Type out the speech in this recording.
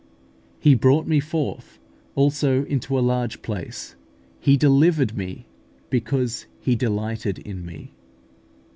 "He brought me forth also into a large place; He delivered me, because He delighted in me" (Ps.